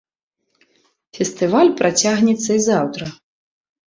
Фестываль працягнецца і заўтра.